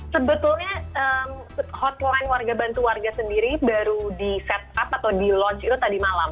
sebetulnya hotline warga bantu warga sendiri baru di set up atau di launch itu tadi malam